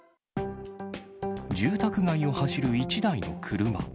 住宅街を走る１台の車。